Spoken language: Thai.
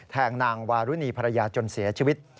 แทงนางวารุณีภรรยาจนเสียชีวิต